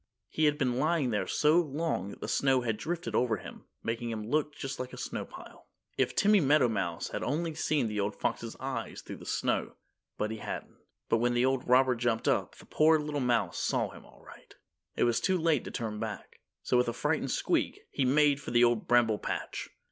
He had been lying there so long that the snow had drifted over him, making him look just like a snowpile. If Timmy Meadowmouse had only seen the old fox's eyes through the snow. But he hadn't. But when the old robber jumped up, the poor little mouse saw him all right. It was too late to turn back, so with a frightened squeak, he made for the Old Bramble Patch.